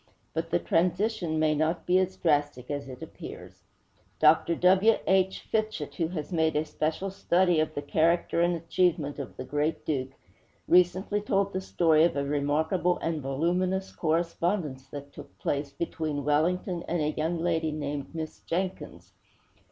But the transition may not be as drastic as it appears. Dr. W. H. Fitchett, who has made a special study of the character and achievements of the great Duke, recently told the story of a remarkable and voluminous correspondence that took place between Wellington and a young lady named Miss Jenkins.